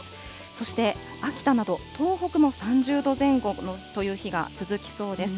そして秋田など、東北も３０度前後という日が続きそうです。